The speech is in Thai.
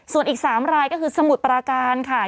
ส่วนอีก๓รายก็คือสมุทรปราการค่ะ